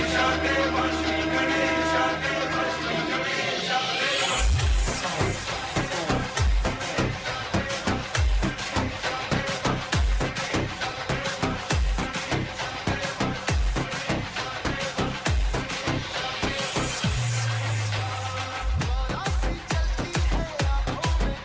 สวัสดีครับ